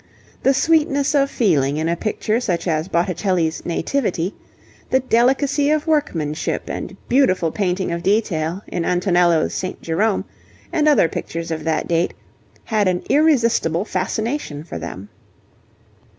The sweetness of feeling in a picture such as Botticelli's 'Nativity,' the delicacy of workmanship and beautiful painting of detail in Antonello's 'St. Jerome' and other pictures of that date, had an irresistible fascination for them.